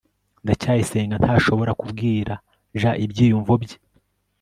ndacyayisenga ntashobora kubwira j ibyiyumvo bye